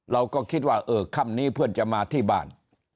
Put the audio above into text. เราก็คิดว่าเออค่ำนี้เพื่อนจะมาที่บ้าน